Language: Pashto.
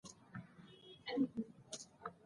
مهرباني وکړئ هغه ټولګي چي له نیژدې مشاهده کوی